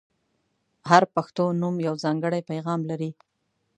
• هر پښتو نوم یو ځانګړی پیغام لري.